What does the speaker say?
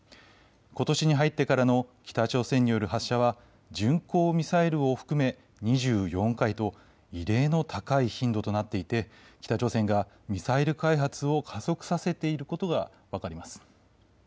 ことしに入ってからの北朝鮮による発射は巡航ミサイルを含め２４回と異例の高い頻度となっていて北朝鮮がミサイル開発を加速させていることが分かります。